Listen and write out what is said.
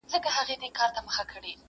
نن چي مي له دار سره زنګېږم ته به نه ژاړې!!